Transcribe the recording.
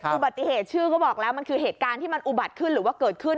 อุบัติเหตุชื่อก็บอกแล้วมันคือเหตุการณ์ที่มันอุบัติขึ้นหรือว่าเกิดขึ้น